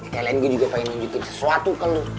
gue juga pengen nyujukin sesuatu ke lo